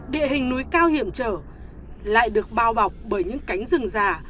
địa hình núi cao hiểm trở lại được bao bọc bởi những cánh rừng già